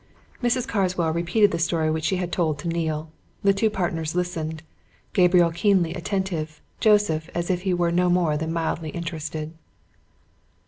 Mrs. Carswell repeated the story which she had told to Neale. The two partners listened; Gabriel keenly attentive; Joseph as if he were no more than mildly interested.